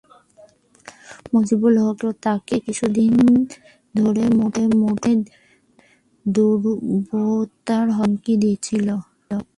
মজিবুল হকের ভাষ্য, তাঁকে কিছুদিন ধরে মুঠোফোনে দুর্বৃত্তরা হত্যার হুমকি দিচ্ছিল।